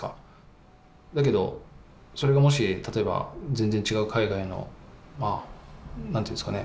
だけどそれがもし例えば全然違う海外のまあ何ていうんですかね